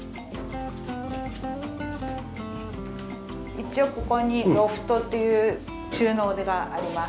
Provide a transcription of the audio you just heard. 一応ここにロフトっていう収納があります。